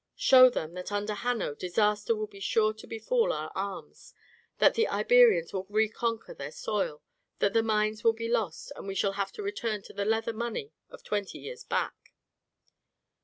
Show them that under Hanno disaster will be sure to befall our arms, that the Iberians will reconquer their soil, that the mines will be lost, and we shall have to return to the leather money of twenty years back."